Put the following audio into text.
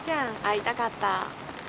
会いたかった。